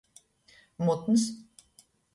Mutns.